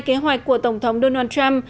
kế hoạch của tổng thống donald trump